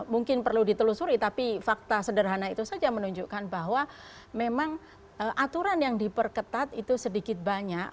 mungkin perlu ditelusuri tapi fakta sederhana itu saja menunjukkan bahwa memang aturan yang diperketat itu sedikit banyak